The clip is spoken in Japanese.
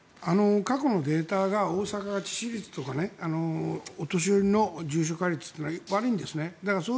過去のデータが大阪は致死率とかお年寄りの重症化率というのは悪いんですね。